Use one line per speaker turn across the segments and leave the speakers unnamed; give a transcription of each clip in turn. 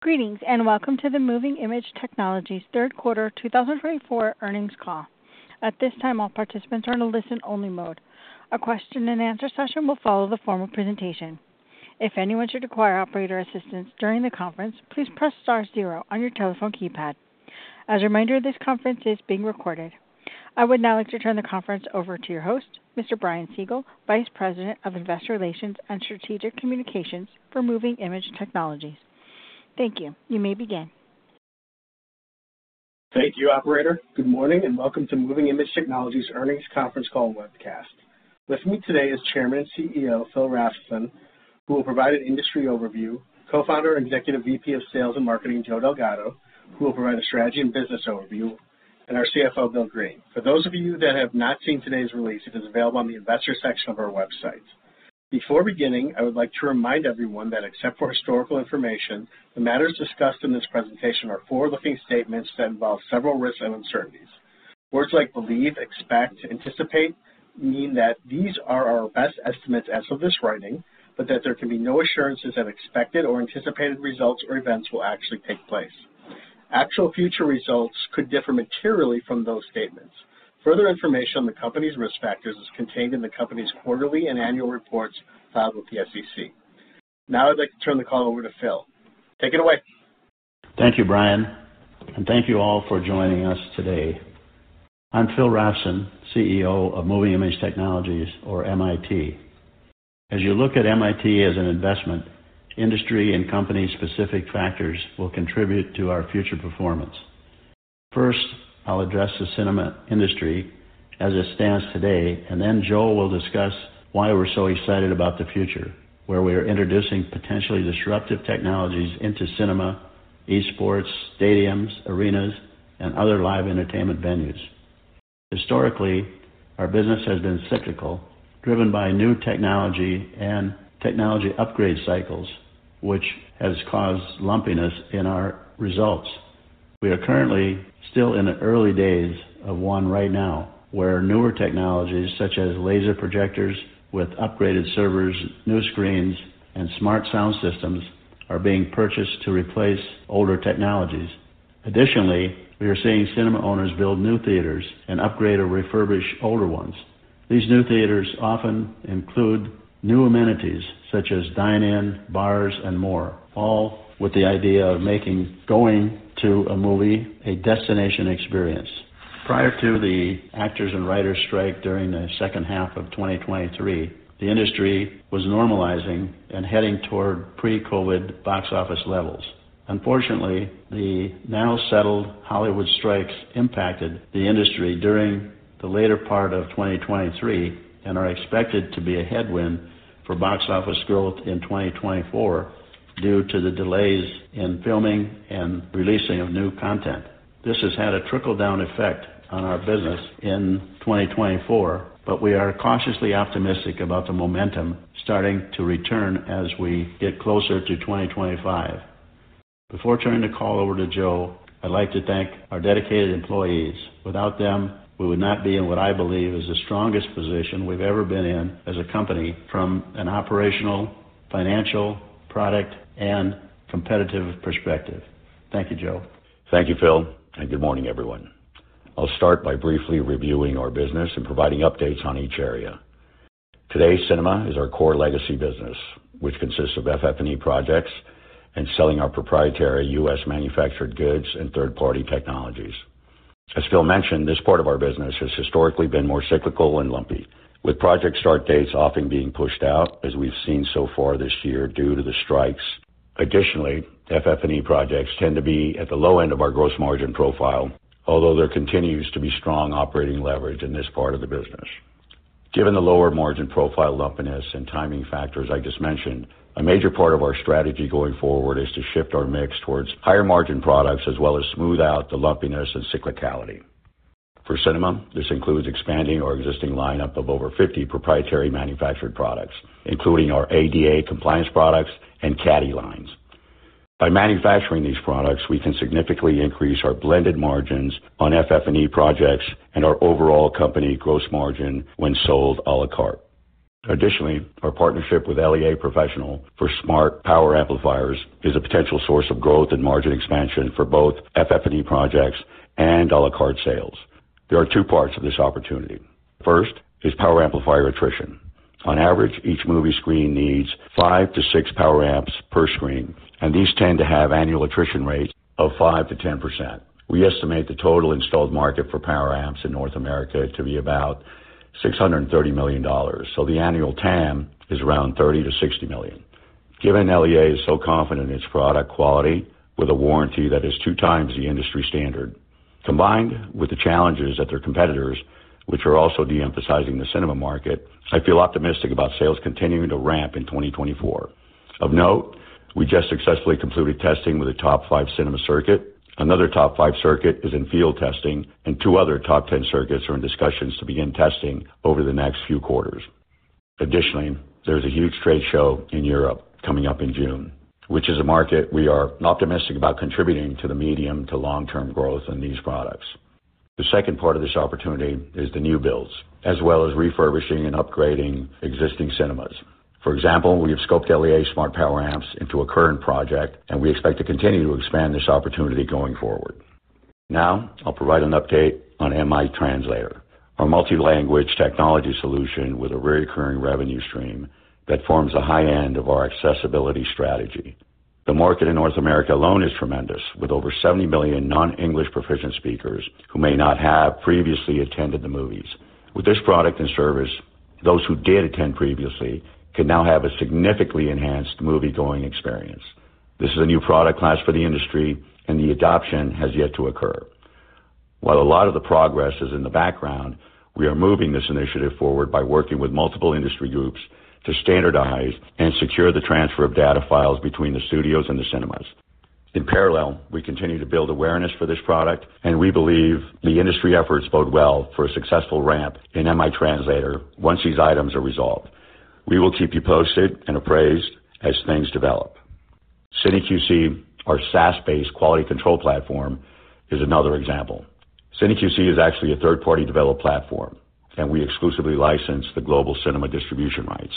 Greetings, and welcome to the Moving Image Technologies Q3 2024 Earnings Call. At this time, all participants are in a listen-only mode. A question and answer session will follow the formal presentation. If anyone should require operator assistance during the conference, please press star zero on your telephone keypad. As a reminder, this conference is being recorded. I would now like to turn the conference over to your host, Mr. Brian Siegel, Vice President of Investor Relations and Strategic Communications for Moving Image Technologies. Thank you. You may begin.
Thank you, operator. Good morning, and welcome to Moving Image Technologies earnings conference call webcast. With me today is Chairman and CEO, Phil Rafnson, who will provide an industry overview, Co-founder and Executive VP of Sales and Marketing, Joe Delgado, who will provide a strategy and business overview, and our CFO, Bill Green. For those of you that have not seen today's release, it is available on the investor section of our website. Before beginning, I would like to remind everyone that except for historical information, the matters discussed in this presentation are forward-looking statements that involve several risks and uncertainties. Words like believe, expect, anticipate mean that these are our best estimates as of this writing, but that there can be no assurances that expected or anticipated results or events will actually take place. Actual future results could differ materially from those statements. Further information on the company's risk factors is contained in the company's quarterly and annual reports filed with the SEC. Now I'd like to turn the call over to Phil. Take it away.
Thank you, Brian, and thank you all for joining us today. I'm Phil Rafnson, CEO of Moving Image Technologies, or MIT. As you look at MIT as an investment, industry and company-specific factors will contribute to our future performance. First, I'll address the cinema industry as it stands today, and then Joe will discuss why we're so excited about the future, where we are introducing potentially disruptive technologies into cinema, esports, stadiums, arenas, and other live entertainment venues. Historically, our business has been cyclical, driven by new technology and technology upgrade cycles, which has caused lumpiness in our results. We are currently still in the early days of one right now, where newer technologies such as laser projectors with upgraded servers, new screens, and smart sound systems are being purchased to replace older technologies. Additionally, we are seeing cinema owners build new theaters and upgrade or refurbish older ones. These new theaters often include new amenities such as dine-in, bars, and more, all with the idea of making going to a movie a destination experience. Prior to the actors and writers strike during the second half of 2023, the industry was normalizing and heading toward pre-COVID box office levels. Unfortunately, the now settled Hollywood strikes impacted the industry during the later part of 2023 and are expected to be a headwind for box office growth in 2024 due to the delays in filming and releasing of new content. This has had a trickle-down effect on our business in 2024, but we are cautiously optimistic about the momentum starting to return as we get closer to 2025. Before turning the call over to Joe, I'd like to thank our dedicated employees. Without them, we would not be in what I believe is the strongest position we've ever been in as a company from an operational, financial, product, and competitive perspective. Thank you, Joe.
Thank you, Phil, and good morning, everyone. I'll start by briefly reviewing our business and providing updates on each area. Today, cinema is our core legacy business, which consists of FF&E projects and selling our proprietary U.S.-manufactured goods and third-party technologies. As Phil mentioned, this part of our business has historically been more cyclical and lumpy, with project start dates often being pushed out, as we've seen so far this year, due to the strikes. Additionally, FF&E projects tend to be at the low end of our gross margin profile, although there continues to be strong operating leverage in this part of the business. Given the lower margin profile, lumpiness, and timing factors I just mentioned, a major part of our strategy going forward is to shift our mix towards higher-margin products, as well as smooth out the lumpiness and cyclicality. For cinema, this includes expanding our existing lineup of over 50 proprietary manufactured products, including our ADA compliance products and Caddy lines. By manufacturing these products, we can significantly increase our blended margins on FF&E projects and our overall company gross margin when sold à la carte. Additionally, our partnership with LEA Professional for smart power amplifiers is a potential source of growth and margin expansion for both FF&E projects and à la carte sales. There are two parts to this opportunity. First is power amplifier attrition. On average, each movie screen needs 5-6 power amps per screen, and these tend to have annual attrition rates of 5%-10%. We estimate the total installed market for power amps in North America to be about $630 million, so the annual TAM is around $30 million-$60 million. Given LEA is so confident in its product quality with a warranty that is 2 times the industry standard, combined with the challenges that their competitors, which are also de-emphasizing the cinema market, I feel optimistic about sales continuing to ramp in 2024. Of note, we just successfully completed testing with a top 5 cinema circuit. Another top 5 circuit is in field testing, and two other top 10 circuits are in discussions to begin testing over the next few quarters. Additionally, there's a huge trade show in Europe coming up in June, which is a market we are optimistic about contributing to the medium- to long-term growth in these products. The second part of this opportunity is the new builds, as well as refurbishing and upgrading existing cinemas. For example, we have scoped LEA smart power amps into a current project, and we expect to continue to expand this opportunity going forward. Now, I'll provide an update on MiiTranslator, our multi-language technology solution with a recurring revenue stream that forms a high end of our accessibility strategy. The market in North America alone is tremendous, with over 70 million non-English proficient speakers who may not have previously attended the movies. With this product and service, those who did attend previously can now have a significantly enhanced moviegoing experience. This is a new product class for the industry, and the adoption has yet to occur. While a lot of the progress is in the background, we are moving this initiative forward by working with multiple industry groups to standardize and secure the transfer of data files between the studios and the cinemas. In parallel, we continue to build awareness for this product, and we believe the industry efforts bode well for a successful ramp in MiTranslator once these items are resolved. We will keep you posted and appraised as things develop. CineQC, our SaaS-based quality control platform, is another example. CineQC is actually a third-party developed platform, and we exclusively license the global cinema distribution rights.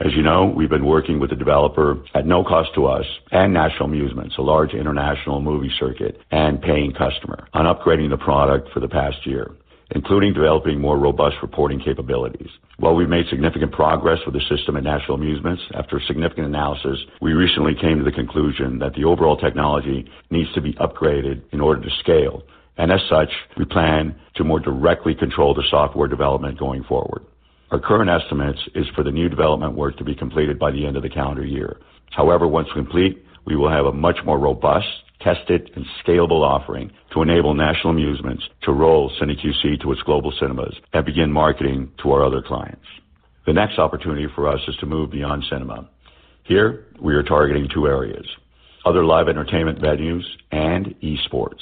As you know, we've been working with the developer at no cost to us and National Amusements, a large international movie circuit and paying customer, on upgrading the product for the past year, including developing more robust reporting capabilities. While we've made significant progress with the system at National Amusements, after significant analysis, we recently came to the conclusion that the overall technology needs to be upgraded in order to scale, and as such, we plan to more directly control the software development going forward. Our current estimates is for the new development work to be completed by the end of the calendar year. However, once complete, we will have a much more robust, tested, and scalable offering to enable National Amusements to roll CineQC to its global cinemas and begin marketing to our other clients. The next opportunity for us is to move beyond cinema. Here, we are targeting two areas: other live entertainment venues and esports.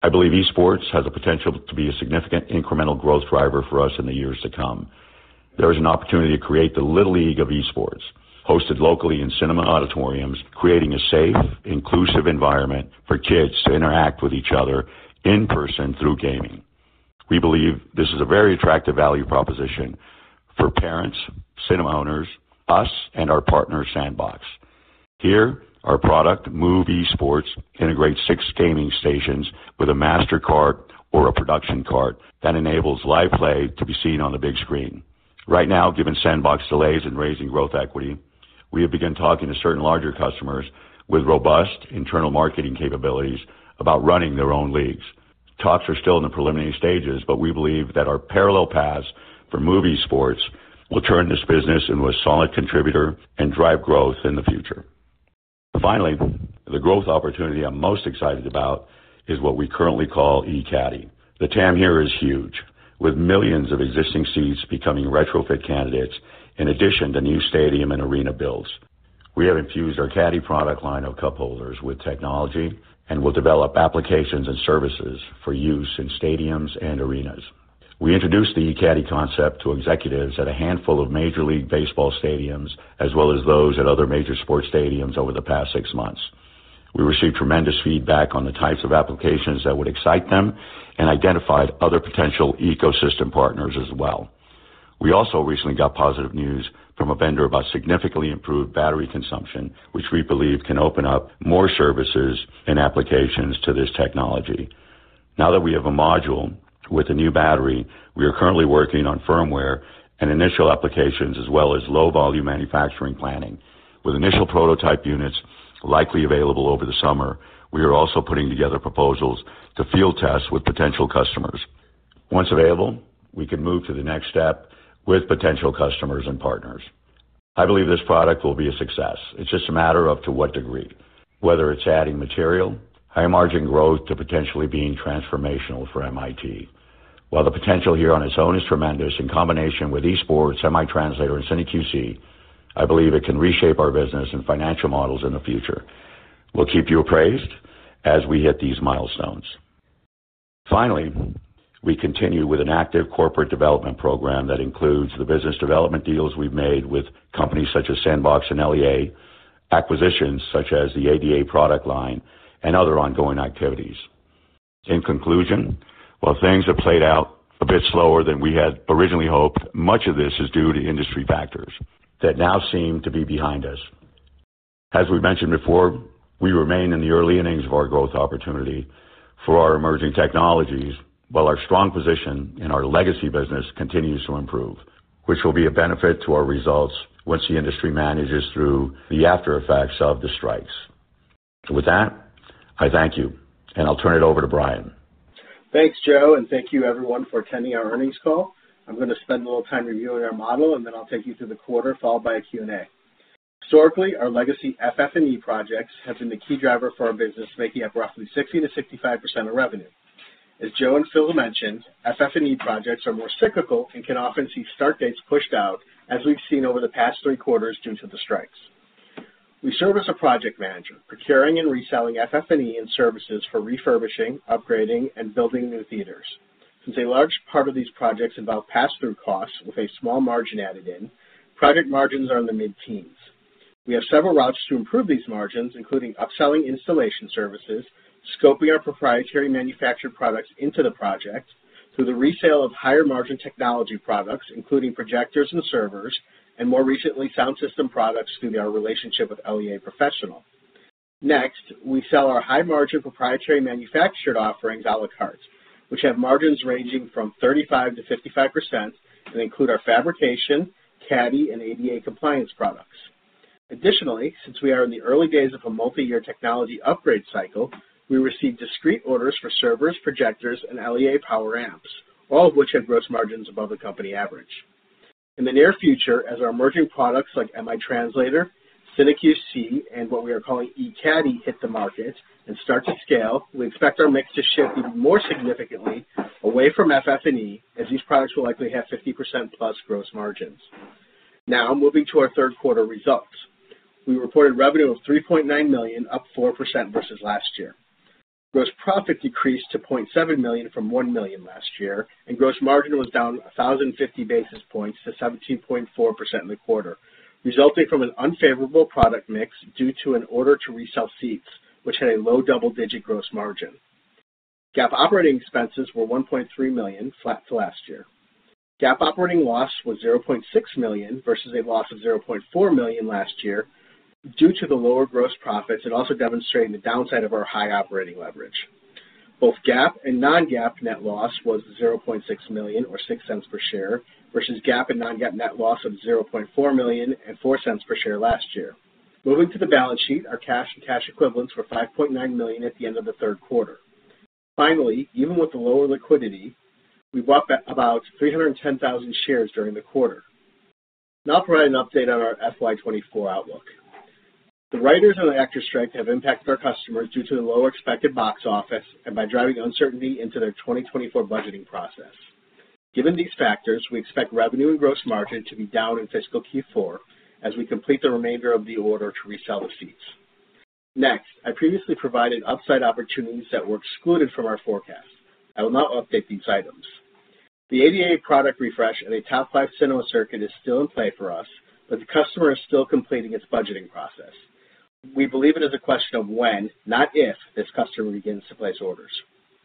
I believe esports has the potential to be a significant incremental growth driver for us in the years to come. There is an opportunity to create the Little League of esports, hosted locally in cinema auditoriums, creating a safe, inclusive environment for kids to interact with each other in person through gaming. We believe this is a very attractive value proposition for parents, cinema owners, us, and our partner, Sandbox. Here, our product, Movie Sports, integrates six gaming stations with a master cart or a production cart that enables live play to be seen on the big screen. Right now, given Sandbox delays in raising growth equity, we have begun talking to certain larger customers with robust internal marketing capabilities about running their own leagues. Talks are still in the preliminary stages, but we believe that our parallel paths for Movie Sports will turn this business into a solid contributor and drive growth in the future. Finally, the growth opportunity I'm most excited about is what we currently call e-Caddy. The TAM here is huge, with millions of existing seats becoming retrofit candidates, in addition to new stadium and arena builds. We have infused our Caddy product line of cup holders with technology and will develop applications and services for use in stadiums and arenas. We introduced the e-Caddy concept to executives at a handful of Major League Baseball stadiums, as well as those at other major sports stadiums over the past six months. We received tremendous feedback on the types of applications that would excite them and identified other potential ecosystem partners as well. We also recently got positive news from a vendor about significantly improved battery consumption, which we believe can open up more services and applications to this technology. Now that we have a module with a new battery, we are currently working on firmware and initial applications, as well as low-volume manufacturing planning. With initial prototype units likely available over the summer, we are also putting together proposals to field test with potential customers. Once available, we can move to the next step with potential customers and partners. I believe this product will be a success. It's just a matter of to what degree, whether it's adding material, high margin growth to potentially being transformational for MIT. While the potential here on its own is tremendous, in combination with esports, MITranslator, and CineQC, I believe it can reshape our business and financial models in the future. We'll keep you appraised as we hit these milestones. Finally, we continue with an active corporate development program that includes the business development deals we've made with companies such as Sandbox and LEA, acquisitions such as the ADA product line, and other ongoing activities. In conclusion, while things have played out a bit slower than we had originally hoped, much of this is due to industry factors that now seem to be behind us. As we mentioned before, we remain in the early innings of our growth opportunity for our emerging technologies, while our strong position in our legacy business continues to improve, which will be a benefit to our results once the industry manages through the aftereffects of the strikes. With that, I thank you, and I'll turn it over to Brian.
Thanks, Joe, and thank you everyone for attending our earnings call. I'm going to spend a little time reviewing our model, and then I'll take you through the quarter, followed by a Q&A. Historically, our legacy FF&E projects have been the key driver for our business, making up roughly 60%-65% of revenue. As Joe and Phil mentioned, FF&E projects are more cyclical and can often see start dates pushed out, as we've seen over the past Q3 due to the strikes. We serve as a project manager, procuring and reselling FF&E and services for refurbishing, upgrading, and building new theaters. Since a large part of these projects involve pass-through costs with a small margin added in, project margins are in the mid-teens. We have several routes to improve these margins, including upselling installation services, scoping our proprietary manufactured products into the project, through the resale of higher margin technology products, including projectors and servers, and more recently, sound system products through our relationship with LEA Professional. Next, we sell our high margin proprietary manufactured offerings a la carte, which have margins ranging from 35%-55% and include our fabrication, Caddy, and ADA compliance products. Additionally, since we are in the early days of a multi-year technology upgrade cycle, we receive discrete orders for servers, projectors, and LEA power amps, all of which have gross margins above the company average. In the near future, as our emerging products like MiTranslator, CineQC, and what we are calling e-Caddy, hit the market and start to scale, we expect our mix to shift even more significantly away from FF&E, as these products will likely have 50%+ gross margins. Now, moving to our Q3 results. We reported revenue of $3.9 million, up 4% versus last year. Gross profit decreased to $0.7 million from $1 million last year, and gross margin was down 1,050 basis points to 17.4% in the quarter, resulting from an unfavorable product mix due to an order to resell seats, which had a low double-digit gross margin. GAAP operating expenses were $1.3 million, flat to last year. GAAP operating loss was $0.6 million, versus a loss of $0.4 million last year, due to the lower gross profits and also demonstrating the downside of our high operating leverage. Both GAAP and non-GAAP net loss was $0.6 million, or 6 cents per share, versus GAAP and non-GAAP net loss of $0.4 million and 4 cents per share last year. Moving to the balance sheet, our cash and cash equivalents were $5.9 million at the end of the Q3. Finally, even with the lower liquidity, we bought back about 310,000 shares during the quarter. Now I'll provide an update on our FY 2024 outlook. The writers and actors' strike have impacted our customers due to the lower expected box office and by driving uncertainty into their 2024 budgeting process. Given these factors, we expect revenue and gross margin to be down in fiscal Q4 as we complete the remainder of the order to resell the seats. Next, I previously provided upside opportunities that were excluded from our forecast. I will now update these items. The ADA product refresh at a top five cinema circuit is still in play for us, but the customer is still completing its budgeting process. We believe it is a question of when, not if, this customer begins to place orders.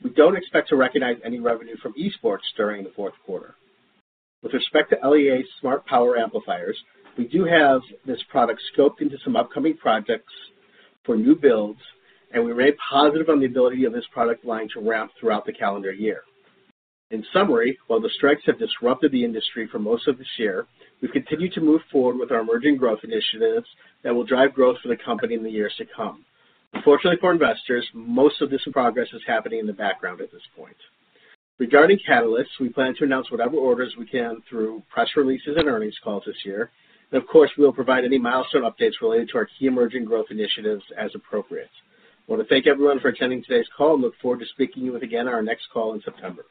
We don't expect to recognize any revenue from Esports during the Q3. With respect to LEA's smart power amplifiers, we do have this product scoped into some upcoming projects for new builds, and we remain positive on the ability of this product line to ramp throughout the calendar year. In summary, while the strikes have disrupted the industry for most of this year, we've continued to move forward with our emerging growth initiatives that will drive growth for the company in the years to come. Unfortunately for investors, most of this progress is happening in the background at this point. Regarding catalysts, we plan to announce whatever orders we can through press releases and earnings calls this year. Of course, we'll provide any milestone updates related to our key emerging growth initiatives as appropriate. I want to thank everyone for attending today's call and look forward to speaking with you again on our next call in September.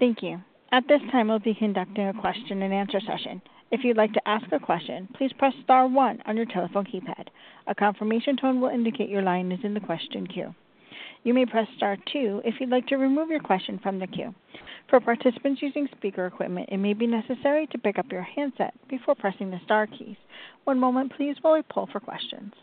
Thank you. At this time, we'll be conducting a question-and-answer session. If you'd like to ask a question, please press star one on your telephone keypad. A confirmation tone will indicate your line is in the question queue. You may press Star two if you'd like to remove your question from the queue. For participants using speaker equipment, it may be necessary to pick up your handset before pressing the star keys. One moment please while we poll for questions.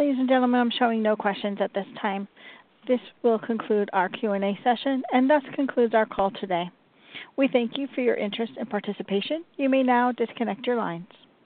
Ladies and gentlemen, I'm showing no questions at this time. This will conclude our Q&A session and thus concludes our call today. We thank you for your interest and participation. You may now disconnect your lines.